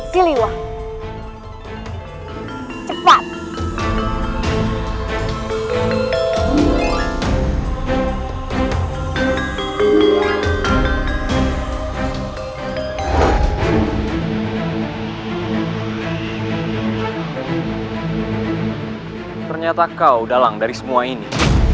ternyata kau dalang dari semua ini